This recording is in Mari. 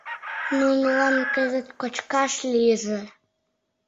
Нунылан кызыт кочкаш лийже.